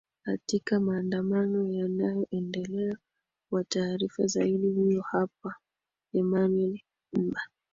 atika maandamano yanayoendelea kwa taarifa zaidi huyu hapa emanuel mba